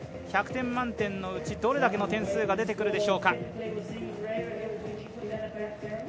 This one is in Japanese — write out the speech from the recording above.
１００点満点のうちどれだけの点数が出てくるでしょうか。